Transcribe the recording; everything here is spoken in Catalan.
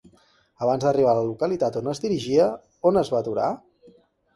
Abans d'arribar a la localitat on es dirigia, on es va aturar?